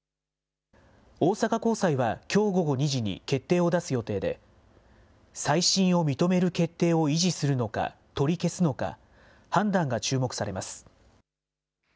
大阪高裁はきょう午後２時に決定を出す予定で、再審を認める決定を維持するのか、取り消すのか、判断が注目されます。